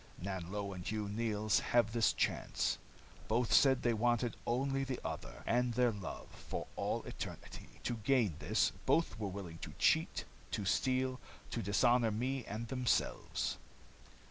Nanlo and Hugh Neils have this chance. Both said they wanted only the other, and their love, for all eternity. To gain this, both were willing to cheat, to steal, to dishonor me and themselves.